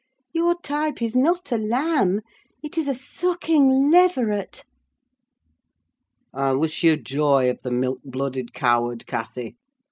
Your type is not a lamb, it's a sucking leveret." "I wish you joy of the milk blooded coward, Cathy!"